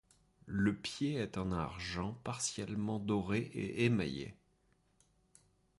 Le pied est en argent partiellement doré et émaillé.